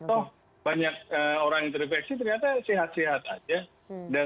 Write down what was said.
oh banyak orang yang terinfeksi ternyata sehat sehat aja